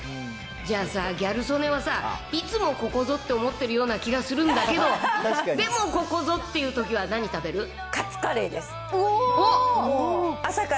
じゃあさ、ギャル曽根はさ、いつもここぞって思ってるような気がするんだけど、でもここぞっていうときは何食べる？